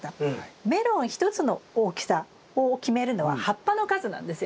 メロン一つの大きさを決めるのは葉っぱの数なんですよ。